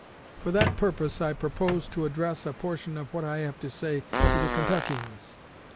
For that purpose I propose to address a portion of what I have to say to the Kentuckians.